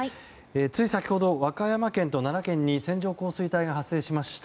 つい先ほど和歌山県と奈良県に線状降水帯が発生しました。